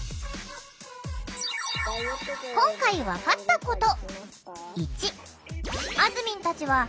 今回分かったこと！